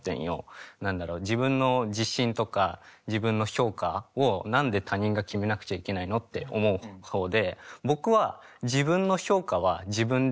何だろう自分の自信とか自分の評価を何で他人が決めなくちゃいけないのって思う方で僕は自分の評価は自分で決めたい。